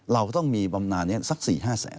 เราก็ต้องมีบำนานนี้สัก๔๕แสน